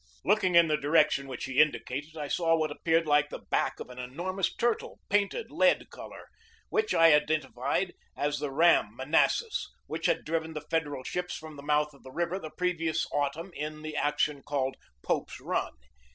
Looking in the direction which he indicated I saw what appeared like the back of an enormous turtle painted lead color, which I identified as the ram Manassas, which had driven the Federal ships from the mouth of the river the previous autumn, in the action called "Pope's Run."